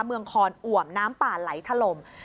คอนอ่วมน้ำป่าไหลถล่ม